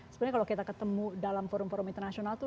sebenarnya kalau kita ketemu dalam forum forum internasional tuh